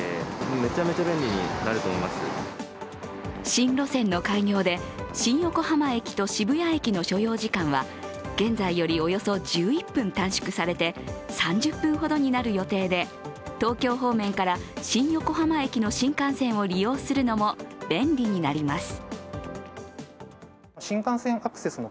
新路線の開業で新横浜駅と渋谷駅の所要時間は現在よりおよそ１１分短縮されて３０分ほどになる予定で東京方面から、新横浜駅の新幹線を利用するのも便利になります。